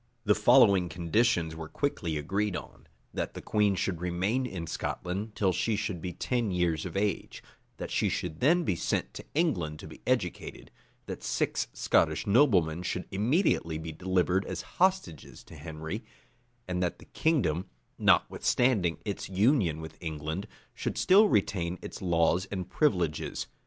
The following conditions were quickly agreed on: that the queen should remain in Scotland till she should be ten years of age; that she should then be sent to England to be educated; that six Scottish noblemen should immediately be delivered as hostages to Henry; and that the kingdom, notwithstanding its union with England, should still retain its laws and privileges.